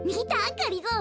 がりぞー。